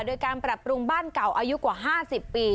โดยการปรับปรุงบ้านเก่าอายุกว่า๕๐ปี